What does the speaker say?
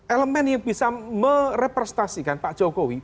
elemen yang bisa merepresentasikan pak jokowi